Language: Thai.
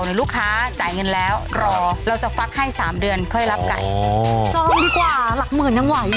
หนึ่งลูกค้าจ่ายเงินแล้วรอเราจะฟักให้๓เดือนค่อยรับไก่